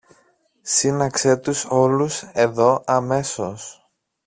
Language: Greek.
Σύναξε τους όλους εδώ, αμέσως!